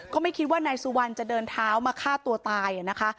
ไม่คิดว่านายสุวรรณจะเดินเท้ามาฆ่าตัวตายนะคะ